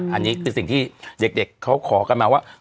อันนี้คือสิ่งที่เด็กเขาขอกันมาว่า